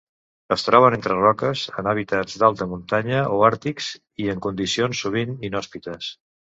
Es troben entre roques en hàbitats d'alta muntanya o àrtics i en condicions sovint inhòspites.